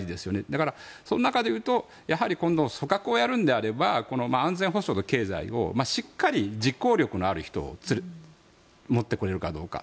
だから、その中で言うとやはり今度組閣をやるのであれば安全保障と経済でしっかり実行力のある人を持ってこれるかどうか。